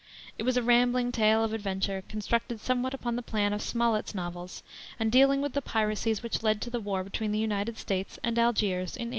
It was a rambling tale of adventure, constructed somewhat upon the plan of Smollett's novels and dealing with the piracies which led to the war between the United States and Algiers in 1815.